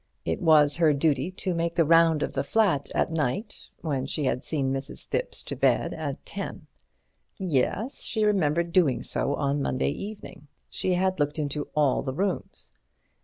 It was her duty to make the round of the flat at night, when she had seen Mrs. Thipps to bed at ten. Yes, she remembered doing so on Monday evening. She had looked into all the rooms.